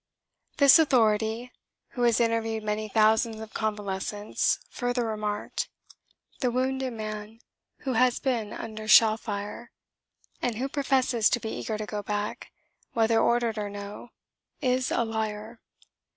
This authority, who has interviewed many thousands of convalescents, further remarked: "The wounded man who has been under shell fire and who professes to be eager to go back, whether ordered or no, is a liar.